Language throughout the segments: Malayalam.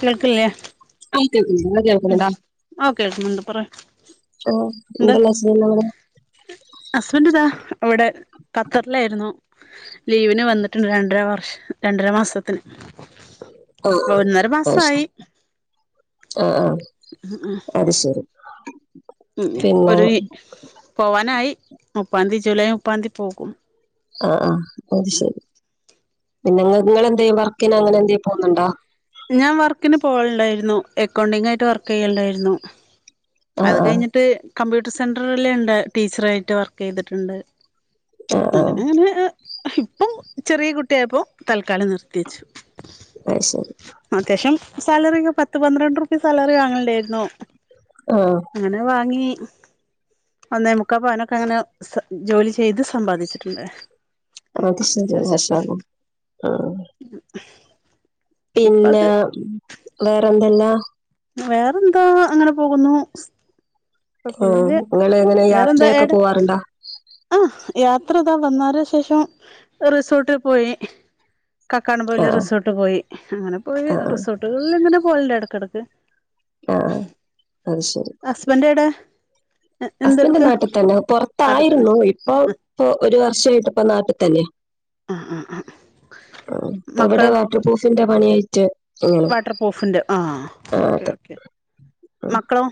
കേൾക്കില്ലേ? ആഹ് കേക്കുന്നുണ്ട്. ഉം കേൾക്കുന്നുണ്ടോ ആ കേൾക്കുന്നുണ്ട് പറ [unintelligible] ഹസ്ബൻറ് ഇതാ ഇവിടെ ഖത്തറിലായിരുന്നു. ലീവിന് വന്നിട്ടുണ്ട് രണ്ടര വർഷം രണ്ടര മാസ ഓഹ് ഓ ശെരി മാസമായി ആഹ് ആഹ് ഉം ഉം അത് ശരി. പിന്നെ ഒരു പോവാനായി മുപ്പാന്തി ജൂലൈ മുപ്പാന്തി പോകും. ആ ആ അത് ശരി പിന്നെ ഇങ്ങെളെന്തെ വർക്കിനങ്ങനെ എന്തേലും പോവുന്നുണ്ടോ? ഞാൻ വർക്കിന് പോകലുണ്ടായിരുന്നു എക്കൗണ്ടിംഗ് ആയിട്ട് വർക്ക് ചെയ്യൽണ്ടായിന്നു. ആ അത് ആ കഴിഞ്ഞിട്ട് കമ്പ്യൂട്ടർ സെന്ററില്ലേ ഇണ്ട് ടീച്ചറായിട്ട് വർക്ക് ചെയ്തിട്ടുണ്ട്. ആ ആ അങ്ങനെ അങ്ങനെ ഇപ്പം ചെറിയ കുട്ടിയായപ്പോ തൽക്കാലം നിർത്തി വെച്ചു. അയ് ശെരി. അത്യാവശ്യം സാലറി ഒക്കെ പത്ത് പന്ത്രണ്ട് ഉറുപ്യ സാലറി വാങ്ങൽണ്ടായിരുന്നു. ആഹ് അങ്ങനെ വാങ്ങി. ഒന്നേമുക്കാ പവനൊക്കെ അങ്ങനെ ജോലി ചെയ്ത് സമ്പാദിച്ചിട്ടുണ്ട്. അത് ശെരി ചോദിച്ച മാഷാ അള്ളാ ആഹ് ഇപ്പ പിന്നെ അത് വേറെന്തെല്ലാ? വേറെന്താ അങ്ങനെ പോകുന്നു. ആഹ് കൊഴപ്പൊന്നുല്ല ഇങ്ങള് എങ്ങനെ യാത്രയൊക്കെ പോവാറുണ്ടാ? ആഹ് യാത്ര ഇതാ വന്നാരെ ശേഷം റിസോർട്ടി പോയി. കക്കാടം ആ പൊയില് റിസോർട്ട് പോയി അങ്ങനെ പോയി ആ ആ റിസോർട്ടുകളിൽ ഇങ്ങനെ പോവല്ണ്ട് എടക്കെടക്ക്. ആ അത് ശരി ഹസ്ബൻഡ് എവിടെ? ഹസ്ബൻഡ് നാട്ടി തന്നെ തന്നെ പൊറത്തായിരുന്നു ഇപ്പൊ ഇപ്പൊ ഒരു വർഷായിട്ട് ഇപ്പ നാട്ടി തന്നെ. ആ ആ ആ അഹ് ഇപ്പ മക്കൾ ഇവിടെ വാട്ടർ പ്രൂഫിന്റെ പണിയായിട്ട്. ഇങ്ങനെ വാട്ടർപ്രൂഫിന്റെ ആ ആ ഓക്കെ അതെ ഓക്കെ ഉം. മക്കളോ?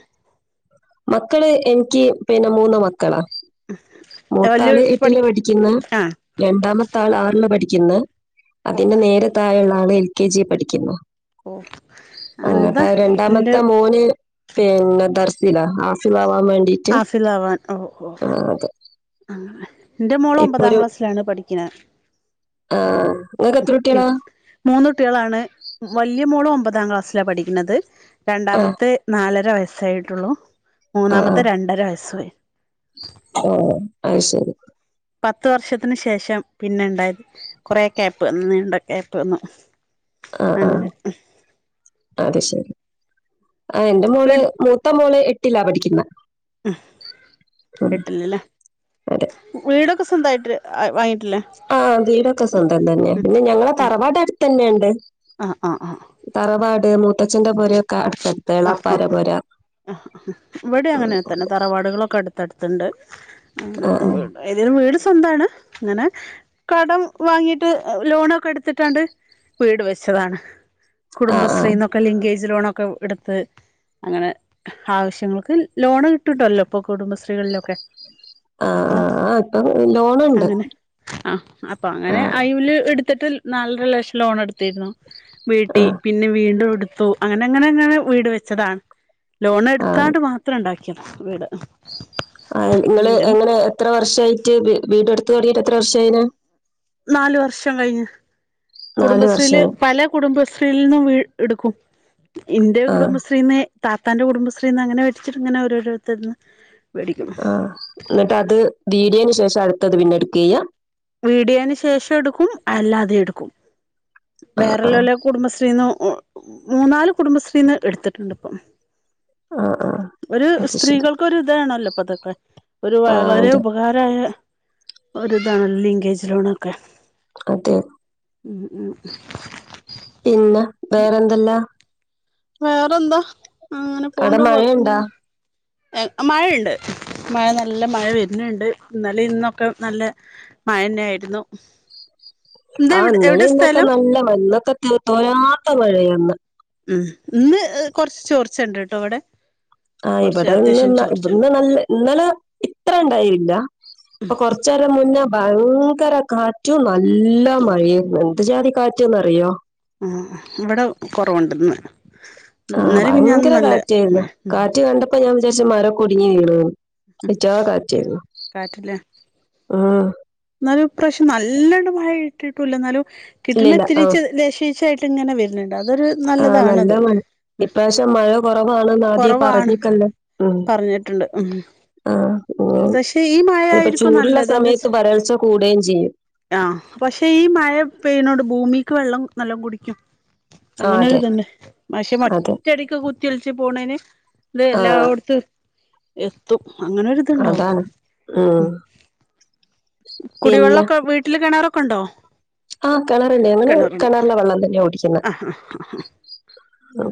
മക്കള് എനിക്ക് പിന്നെ മൂന്ന് മക്കളാ. [unintelligible] മൂത്താള് എട്ടില് പഠിക്ക പഠിക്കുന്ന്. ആ രണ്ടാമത്തെ ആൾ ആറില് പഠിക്കുന്ന്, ഓ അതിന്റെ നേരത്തായെ ഉള്ള ആള് എൽ കെ ജി പഠിക്കുന്നു. ഓ അങ്ങപ്പ എന്താ എന്റെ രണ്ടാമത്തെ മോന്. പിന്നെ ദർസിലാ ഹാഫിളാവാൻ വേണ്ടി. ഹാഫിളാവാൻ ഓഹ് ഓഹ് ഓഹ് അങ്ങനെ. എന്റെ മോള് ഇപ്പൊ ഒമ്പതാം ഒരു ക്ലാസ്സിലാണ് പഠിക്കുന്നത്. ആ നിങ്ങൾക്ക് എത്ര കുട്ടികളാ മൂന്നുകുട്ടിയാളാണ് വലിയ മോള് ഒമ്പതാം ക്ലാസ്സില പഠിക്കുന്നത്. ആ രണ്ടാമത്തെ നാലര വയസ്സായിട്ടുള്ളൂ ആ മൂന്നാമത്തെ രണ്ടര വയസ്സുവായി. ആ അത്ശെരി. പത്ത് വർഷത്തിന് ശേഷം പിന്നെ ഇണ്ടായത്. കൊറെ ക്യാപ്പ് വന്നു നീണ്ട ക്യാപ്പ് വന്നു. ആ ആ അങ്ങനെ. അത് ശെരി ആ എന്റെ മോള് വീട് മൂത്ത മോള് എട്ടിലാ പഠിക്കുന്നെ. മം എട്ടിലില്ലേ, അതെ വീടൊക്കെ സ്വന്തമായിട്ട് വാങ്ങിട്ടില്ലേ? ആഹ് വീടൊക്കെ സ്വന്തം തന്നെ. പിന്നെ ഞങ്ങളെ തറവാട് അടുത്ത് തന്നെയുണ്ട്. ആ ആ ആ തറവാട് മൂത്തച്ഛൻന്റെ പോരൊക്കെ അടുത്തടു ആഹ് ആ ആ ഇവിടെ അങ്ങനെ തന്നെ തറ വാടുകളൊക്കെ അടുത്തടുത്ത്ണ്ട് ആഹ് ഏതായാലും വീട് സ്വന്തണ്. ഇങ്ങനെ കടം വാങ്ങീട്ട് ലോണൊക്കെ ഇടുത്തിട്ടാണ്ട് വീട് വെച്ചതാണ്. ആഹ് ആഹ് കുടുംബശ്രീന്നൊക്കെ ലിങ്കേജ് ലോണൊക്കെ എടുത്ത് അങ്ങനെ ആവശ്യങ്ങക്ക് ലോണ് കിട്ടുട്ടല്ലോ ഇപ്പൊ കുടുംബശ്രീകളിലൊക്കെ അപ്പൊ ലോൺ അങ്ങനെ ആ അപ്പൊ അങ്ങനെ അയല് എടുത്ത് ത്ത്ട്ട് നാലര ലക്ഷം ലോൺ എടുത്തിരുന്നു. വീട്ടി ആഹ് പിന്നെ വീണ്ടും എടുത്തു അങ്ങനെ അങ്ങനെങ്ങനെ വീട് വെച്ചതാണ് ലോൺ ആഹ് എടുത്താണ്ട് മാത്രം ഉണ്ടാക്കിയ വീട് ആ നിങ്ങള് ഏതായാലും എങ്ങനെ എത്ര വർഷയിട്ട് വീട് വീട്എട്ത്ത് തൊടങ്ങിട്ട് എത്ര വർഷആയിന് നാലു വർഷം കഴിഞ്ഞ് നാല് കുടുംബശ്രീയില് വർഷം പല കുടുംബശ്രീൽ നിന്ന് എടുക്കും. ഇന്റെ ആഹ് കുടുംബശ്രീനെ താത്താന്റെ കുടുംബശ്രീന്ന് അങ്ങനെ വെടിച്ചിട്ട്ങ്ങനെ ഓരോത്തരുന്ന് ആഹ് എന്നിട്ട് അത് വീടിയന് ശേഷം അടുത്തത് പിന്നെ എടുക്കുക ചെയ്യ വീടിയേന് ശേഷം എടുക്കും അല്ലാതെ എടുക്കും ആഹ് ആഹ് വേറെല്ലോലെ കുടുംബശ്രീന്ന് മൂന്നാല് കുടുംബശ്രീന്ന് എടുത്തിട്ടുണ്ട് ഇപ്പം ആഹ് ആഹ് ഒരു അത് ശരി സ്ത്രീകൾക്കൊ ഇതാണല്ലോപ്പതൊക്കെ ഒരു ആഹ് വളരെ അതെ ഉപ കാരായ ഒരിതാണല്ല ലിങ്കേജ് ലോണൊക്കെ അതെ മം മം പിന്നെ വേറെന്തല്ലാ വേറെന്താ അങ്ങനെ അവടെ പോണ്ട് മഴയുണ്ടാ കൊഴപ്പൊന്നില്ല മഴയണ്ട്. മഴ നല്ല മഴ വരുന്നുണ്ട് ഇന്നാലിം ഇന്നൊക്കെ നല്ല മഴന്നെ ആയിരുന്നു എന്ത ആ എവിടെ ഇന്നലെ എവിടെ ഇന്നൊക്കെ സ്ഥലം നല്ല [unintelligible] തോരാത്ത മഴയാന്ന് ഉം ഇന്ന് കുറച്ച് ചോർച്ച ഉണ്ട് ട്ടോ ഇവിടെ ആഹ് കൊറച്ച് ഇവിടെന്ന് അത്യാവശ്യം ചോർച്ചണ്ട് ഇന്ന് നല്ല ഇന്നലെ ഇത്ര ഉണ്ടായില്ല അപ്പൊ കൊറച്ച നേരം മുന്നേ ഭയങ്കര കാ ഏറ്റവും നല്ല മഴ എന്ത് ജാതി കാറ്റന്നറിയോ ആ ഇവിടെ കുറവുണ്ടന്ന് ആഹ ഭയങ്കര കാറ്റായിരുന്നു കാറ്റ് കണ്ട അപ്പ ഞാൻ വിചാരിച്ച മര കുടുങ്ങി വീണ് ചാ കാറ്റായിരുന്നു കാറ്റില്ല ആഹ് എന്നാലും ഇപ്രാവശ്യം നല്ലണം മഴ കിട്ടിട്ടില്ല എന്നാലും കിട്ടുന്ന ഇല്ലില്ല ആഹ് ഇതിരിച്ച് [unintelligible] എങ്ങനെ വരണ്ട് അതൊരു ആഹ് നല്ല നല്ലതാണത് മഴ ഉം ഇപ്രാവശ്യം മഴ കുറവാണെന്ന് ആദ്യേ കൊറവാണ് പറഞ്ഞിക്കല്ലോ ഉം പറഞ്ഞിട്ടുണ്ട് ഉം ആഹ് ഉം പക്ഷെ ഈ മഴ ഇപ്പൊ ആയിരിക്കും ചൂടുള്ള നല്ലത് എന്താച്ച സമയത്ത് വരൾച്ച കൂടുകയും ചെയ്യും ആഹ പക്ഷെ ഈ മഴ പെയ്യുന്നോട് ഭൂമിക്ക് വെള്ളം നല്ലാം കുടിക്കും ആഹ് അതെ അങ്ങനൊരുതുണ്ട് പക്ഷേ അതെ ഒറ്റടിക്ക് കുത്തി ഒലിച്ച് പോണേന് ഇത് ആഹ് എല്ലായിടത്തും എത്തും അങ്ങനെരു അതാണ് ഉം പിന്നെ കുടിവെള്ളമൊക്കെ വീട്ടില് കിണറൊക്കെ ഉണ്ടോ ആഹ് കിണറുണ്ടേ ഞങ്ങള് കണറിലെ വെള്ളം തന്നെയ കുടിക്കുന്നത് ആ ആ ആ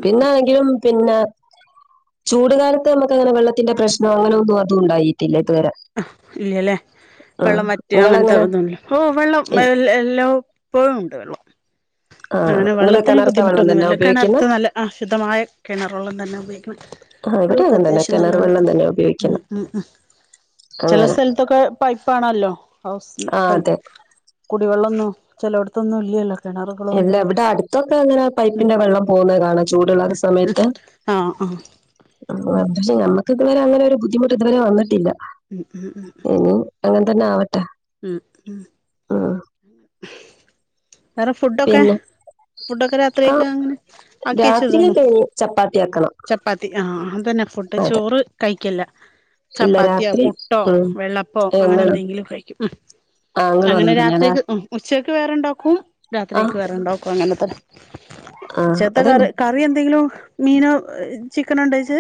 പിന്നാണെങ്കിലും പിന്നെ ചൂട് കാലത്ത് നമുക്ക് അങ്ങനെ വെള്ളത്തിന്റെ പ്രശ്നോ അങ്ങനെൊന്നും അതും ഉണ്ടായിട്ടില്ല ഇതുവരെ ഇല്ലല്ലേ ആഹ് വെള്ളം മറ്റ് അങ്ങനത്തെ നിങ്ങളെങ്ങനെ ഇതുംല്ലോ ഓ വെള്ളം എല്ലാം ഇപ്പോഴും ഉണ്ട വള്ളോ ആഹ് അങ്ങനെ നിങ്ങള് വെള്ളത്തിന് കിണറത്തെ വെള്ളം തന്നെ ബുദ്ധിമുട്ടൊന്നുമല്ല ഉപയോഗിക്കുന്നെ കിണറത്ത് നല്ല അ ശുദ്ധമായ കിണർ വെള്ളം തന്നെ ഉപയോഗിക്കണം ആഹ് ഇവിടെ വെള്ളൊക്കെ അങ്ങനെ തന്നെ അത്യാവശ്യം കിണർ നല്ലോണ്ട് വെള്ളം തന്നെ ഉം ഉപയോഗിക്കുന്നെ ഉം ഉം ചില അങ്ങനെ സ്ഥലത്തൊക്കെ പൈപ്പാണല്ലോ ഹൗസ് ആഹ് പൈപ്പ് അതെ കുടിവെള്ളൊന്നും ചെലോട്ത്തൊന്നും ഇല്ലല്ലോ കിണറുകളൊന്നും അല്ല തോന്നും ഇവടെ അടുത്തൊക്കെങ്ങനെ പൈപ്പിന്റെ വെള്ളം പോകുന്ന കാണാം ചൂടുള്ള സമയത്ത് ആഹ് പക്ഷെ നമുക്ക് ഇതുവരെ അങ്ങനെരു ബുദ്ധിമുട്ട് ഇതുവരെ വന്നിട്ടില്ല ഉം ഉം ഉം ഉം അങ്ങനെ തന്നെ ആവട്ടെ ഉം ഉം വേറെ ഫുഡൊക്കെ പിന്നെ ഫുഡൊക്കെ ആഹ് രാത്രിയൊക്ക ങ്ങനെ ആക്കി വെച്ചതാണോ രാത്രിയിലൊക്കെ ഇനി ചപ്പാത്തി ആക്കണം ചപ്പാത്തി ആഹ് അതന്നെ ഫുഡ് അതെ ചോറ് കഴിക്കില്ല ഇല്ല ചപ്പാത്തിയോ രാത്രി പുട്ടോ ഉം വെള്ളപ്പോ ഞങ്ങളും അങ്ങനെന്തെങ്കിലും കഴിക്കും ഉം ആങ്ങളും അങ്ങനെ തന്നെയാണ് രാത്രിക്ക് ഉം ഉച്ചക്ക് വേറെണ്ടാക്കും ആ രാത്രിയക്ക് വേറെണ്ടാക്കും അങ്ങനത്തെ ആ അതന്നെ ഉചേത്തക്കറി കറി എന്തെങ്കിലും മീനോ ചിക്കനോ ഉണ്ടച്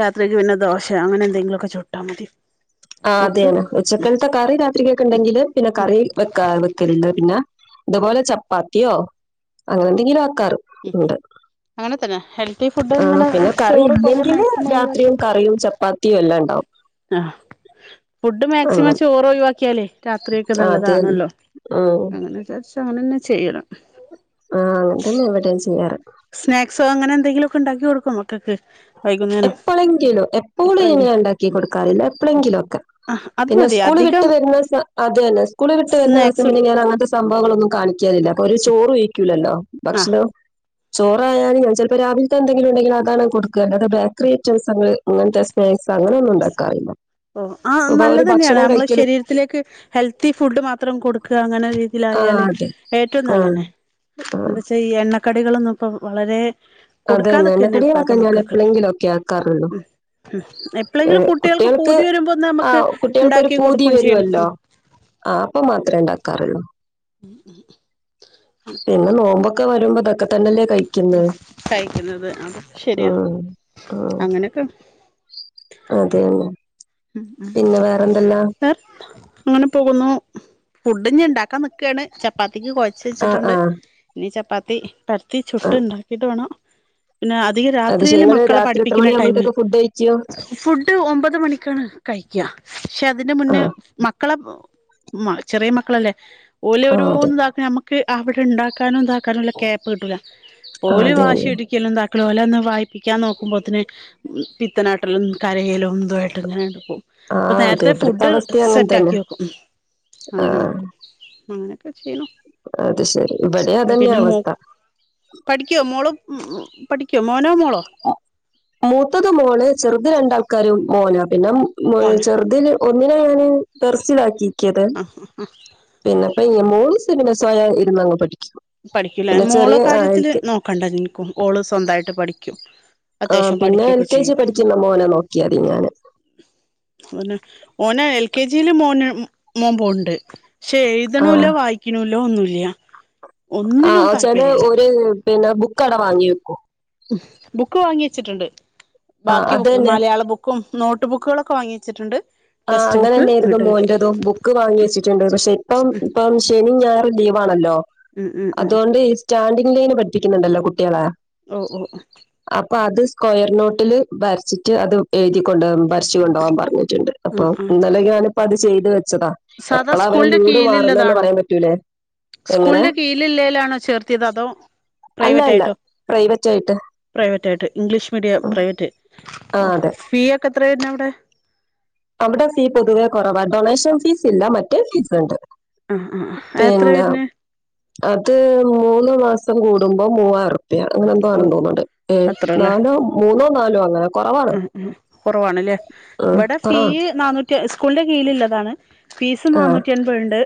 രാത്രിയ്ക്ക് പിന്നെ ദോശ അങ്ങനെ എന്തെങ്കിലുക്കെ ചുട്ടാൽ മതി ആ ഫുഡ് അതെയെനെ ഉച്ചക്കൽത്തെ കറി രാ ത്രിക്ക്‌ ണ്ടെങ്കില് പിന്നെ കറി വെക്ക വെക്കലില്ല പിന്നെ ഇതുപോലെ ചപ്പാത്തിയോ അങ്ങനെന്തെങ്കിലും വെക്കാറ്ണ്ട് അങ്ങനെ തന്നെ ഹെൽത്തി ഫുഡ് ആ ഇങ്ങനെ പിന്നെ കറി ചോറ് കൊറേ ഇല്ലെങ്കില് മാക്സിമം ഒഴിവാക്കി രാത്രിയും കറിയും ചപ്പാ ത്തിയും എല്ലാണ്ടാവും ആഹ് ഫുഡ് മാക്സിമം അങ്ങനെ ചോറൊഴിവാക്കിയാല് രാത്രിയൊക്കെ ആ അത് തന്നെ നല്ലതാണല്ലോ ഉം അങ്ങനെ വിചാരിച്ച് അങ്ങനെന്നെ ചെയ്യണ് ആ അങ്ങൻ തന്നെ ഇവടേംചെയ്യാറ് സ്നാക്സോ അങ്ങനെന്തെങ്കിലൊക്കെണ്ടാക്കി കൊടുക്കോ മക്കക്ക് എപ്പളെങ്കിലും എപ്പോളുംങ്ങനെ ണ്ടാക്കി കൊടുക്കാറില്ല എപ്പളെങ്കിലൊക്കെ ആ അത് പിന്നെ മതി സ്കൂള് വിട്ട് അധികം വരുന്നസ അത് അന്നെ സ്കൂള് വിട്ട് വരുന്ന സ്നാക്സ് ദിവസം പിന്നെ കൊടുക്ക ഞാൻ അങ്ങൻത്തസ് സംഭവങ്ങളൊന്നും കാണിക്കാലില്ല അപ്പൊ ഒരു ചോറു വെയ്ക്കൂലല്ലോ ആ ഭക്ഷണം ചോറായാല് ഞാൻ ചെൽപ്പൊ രാവിൽത്തെന്തെങ്കിലും ഉണ്ടെങ്കിൽ അതാണ് കൊടുക്ക അല്ലാതെ ബേക്കറി ഐറ്റംസങ്ങൾ ഇങ്ങനത്തെ സ്നാക്സ് അങ്ങനൊന്നും ഉണ്ടാക്കാറില്ല ഇപ്പൊ അവര് ഭക്ഷണം കഴിക്കല് ഇതിലേക്ക് ഹെൽത്തി ഫുഡ് മാത്രം കൊടുക്ക അങ്ങനൊരു ആ ഇതിലായാല് അതെ ഏറ്റവും ആ നല്ലതന്നെ ആ എന്താച്ചാ ഈ എണ്ണക്കടികളൊന്നും ഇപ്പ വളരെ അതെ തന്നെ കൊടുക്കാതൊക്കെന്നെ ഇപ്പത എണ്ണക്കടികളൊക്കെ ഞാൻ മക്കൾക്ക് എപ്പോഴെങ്കിലും ഒക്കെ ആക്കാറുള്ളൂ ഉം ഉം എ ഏ, ല്ലെങ്കിലും കുട്ടിൾക്ക് കുട്ടികൾക്ക് പൂതി വരുമ്പൊ ആ നമുക്ക് കുട്ടികൾക്ക് ഒരു ഇണ്ടാക്കി പൂതി കൊടുക്കും ചെയ്യണം വരുമല്ലോ ആ അപ്പം മാത്രേ ഇണ്ടക്കാറുള്ളൂ [inaudible] പിന്നെ നോമ്പൊക്കെ വരുമ്പോതൊക്കെ തന്നെല്ലേ കഴിക്കണ്ട് കഴിക്കുന്നത് അ ആ ആ അതന്നെ എ ഇങ്ങനെ പോകുന്നു ഫുഡിഞ്ഞ് ണ്ടാക്കാന്ന് ക്കാണ് ചപ്പാത്തിക്ക് കൊഴച്ച് ആ വെച്ചിട്ടുണ്ട് ആ ഇനി ചപ്പാത്തി പരത്തി ആ, ചുട്ട് ഇണ്ടാക്കിട്ട് വേണം പിന്നെ അത് ശരി അധികരാത്രിയില് നിങ്ങള് മക്കളെ രാത്രി എത്ര പഠിപ്പിക്ക്‌ണ ടൈമിൽ മണിയാകുമ്പോഴത്തേക്ക് ഫുഡ് കഴിക്കോ ഫുഡ് ഒമ്പത് മണിക്കാണ് കഴിക്ക പക്ഷെ അതിന്റെ ആ മുന്നെ മക്കളെ മ ചെറിയ മക്കളല്ലേ ആ അതെ ഓലോരോന്ന് താക്ക നമക്ക് അവടെണ്ടാ ക്കാനുംതാക്കാനുള്ള ക്യാപ്പ് കിട്ടൂല ആ ഓല് അതെ തന്നെ വാശിടി ക്കലും താക്കലും ഓലൊന്ന് വായിപ്പിക്കാൻ നോക്കുമ്പോത്തിന് പിത്തനാട്ടലും കരയലും തൊ പ്പ ആഹ് നേരത്തെ തിയേറ്റർത്തെ ഫുഡ് അവസ്ഥയും അങ്ങനെ സെറ്റ് തന്നെ ആക്കി വെക്കും അങ്ങനെ ആഹ് നക്കും അങ്ങനെയൊക്കെ ചെയ്യുണു അത് ശരി ഇവടിം അതന്നയ അവസ്ഥ പഠിക്കോ മോളും പഠിക്കോ മോനോ മോളോ മൂത്തത് മോള് ചെറ്ത് രണ്ടാൾക്കാരും മോനാ പിന്നെ മോനാ ചെറ്തില് ഒന്നിനെ ഞാന് ദർസിലാക്കിക്കത് ആഹ് ആഹ് ആഹ് പിന്നെപ്പാ ഇ മോള് സിനിമ സ്വയഇര്ന്നങ്ങ് പഠിക്കും പഠിക്കൂല്ലേ പിന്നെ മോള ചെറിയ ആഹ് എൽ കാര്യത്തില് കെ നോക്കണ്ടാ ഇൻക്കും ഓള് സ്വന്തായിട്ട് പഠിക്കും ഏ അത്യാവശ്യം പിന്നെ എൽ പഠിക്കൊക്കെ കെ ജി ചെയ്യും പഠിക്ക്‌ന്ന മോനെ നോക്കിയാതി ഞാന് ഓന് ഓനെ എൽ കെ ജീല് മോന് മോൻ പോണ്ട് പക്ഷെ എ ആഹ് യ്തൂണുല്ല വായിക്കിണുല്ല ഒന്നുല്ല്യ ആ ഒ ചാല് ഓല് പിന്നെ ബുക്ക് അവടെ വാങ്ങിയേക്കും ബുക്ക് വാങ്ങി വെച്ചിട്ട്ണ്ട് ആഹ് ബാക്കി അത് ബുക്ക് തന്നെ മലയാള ബു ക്കും നോട്ട് ബുക്കുളൊക്കെ വാങ്ങി വെച്ചിട്ട്ണ്ട് ആ അങ്ങനന്നേര്ന്നു മോന്റതും ബുക്ക് വാങ്ങി വെച്ചിട്ട്ണ്ട് പക്ഷെ ഇപ്പം ഇപ്പം ശനി ഞായറും ലീവാണല്ലോ ഉം ഉം ഉം അതൊണ്ട് ഈസ് സ്റ്റാൻഡിങ്ങ് ലൈൻ പഠിപ്പിക്ക്ന്ന്ണ്ടല്ലോ കുട്ട്യേളെ. ഓഹ് ഓഹ്. അപ്പൊ അത് സ്ക്വയർ നോട്ടില് വര്ച്ചിട്ട് അത് എഴുതി കൊണ്ട് ഭര്ച്ച് കൊണ്ടവാൻ പറഞ്ഞിട്ട്ണ്ട്. അപ്പൊ ആ ആ ഇന്നലെ ഞാന്പ്പ അത് ചെയ്ത് വെച്ചതാ. സാധാ എപ്പളാ അവരെ സ്കൂളിന്റെ മൂട് മാറ്ന്നേന്ന് കീഴിലുള്ളതാണോ പറയാൻ പറ്റൂലേ. എങ്ങനെ സ്കൂളിന്റെ കീഴില് ഇല്ലേലാണോ ചേർത്തിയത്? അതോ, അല്ല അല്ല പ്രൈവറ്റായിട്ടോ? പ്രൈവറ്റ് ആയിട്ട് പ്രൈവറ്റ് ആയിട്ട്, ഇംഗ്ലീഷ് മീഡിയം ഉം. പ്രൈവറ്റ്. ആ ഓഹ്. അതെ ഫീ ഒക്കെ എത്ര വെര്നെ അവ്ടെ? അവടെ ഫീ പൊതുവേ കൊറവാ ഡൊണേഷൻ ഫീസ് ഇല്ല. മറ്റേ ഫീസ് ഇണ്ട്. ആഹ് ആഹ്. അഎത്രേ വെര്ന്? അത് മൂന്ന് മാസം കൂടുമ്പം മൂവായുർ പ്പ്യ അങ്ങനെ എന്തോ ഓ ആണെന്ന് തോന്ന്ണ്ട്. ഏഹ് അത്രല്ലേ നാലോ മൂന്നോ നാലോ അങ്ങന. ഉം ഉം കുറവാണ്ല്ലേ. ഉം, ഇവടെ കുറവാ ഫീയ് നന്നൂറ്റി സ്കൂളിന്റെ കീഴ്ല് ഇല്ലതാണ്. ഫീസ് ആ നാന്നൂറ്റി എൻപത് ണ്ട്.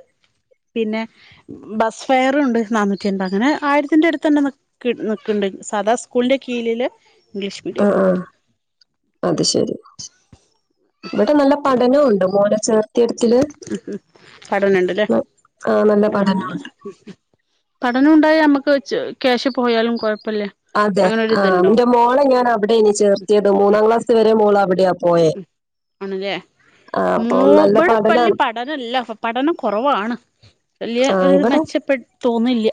പിന്നെ, ബസ് ഫെയറൂണ്ട് നാന്നൂറ്റി എൻപത്. അങ്ങനെ ആയിരത്തിന്റെട്ത്ത്ണ്ട് മ ക്ക് നിക്ക്ണ്ട് സാദാ സ്കൂളിന്റെ കീഴിലില് ഇംഗ്ലീഷ് ആ മീഡിയം. ആ അത് ശെരി. ഇവടെ നല്ല പഠനവൂണ്ട് മോനെ ചേർ ഉം ഉം പഠന്ണ്ട് ല്ലേ. ന- ആ, നല്ല [unintelligible] പഠനമുണ്ട് നല്ലതാ ഉം ഉം പഠന ഉണ്ടായാ നമ്മക്ക് ച് ക്യാഷ് പോയാലും കൊഴ്പ്പല്ല. അതെ. ആഹ് നിന്റെ മോളെ ഞാൻ അവ്ടേനി ചേർത്തിയത്. മൂന്നാം ക്ലാസ് വരെ മോള് അവടെയാ പോയേ. ആണല്ലേ ആഹ് പ്പം മൂ നല്ല ഇവിടെ വല്യ പഠനാണ്. പഠനല്ല പ്പ പഠനം കൊറവാണ്. വല്യ ആ ഒരു ഇവിടെ മെച്ചപ്പെ തോന്നില്ല്യ.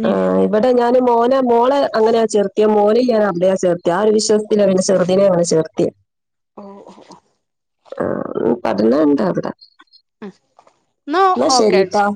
ഇഞ് ഇബടെ ഞാന് മോനെ മോളെ അങ്ങനാ ചേർത്തിയേ മോനിം ഞാൻ അവിടെയാ ചേർത്ത്യേ ആ ഒരു വിശ്വാസ് ത്തിലാ പിന്നെ ചെർതിനെ അവടെ ചേർത്തി. ഓഹ് ഒഹ് ഒഹ് ആഹ് പഠനംണ്ടാവിടെ. അഹ്. ന്നാ ഓക്കെ ട്ടാ